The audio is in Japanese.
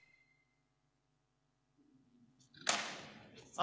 あ